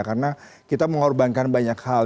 karena kita mengorbankan banyak hal